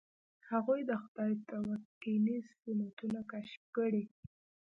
هغوی د خدای تکویني سنتونه کشف کړي.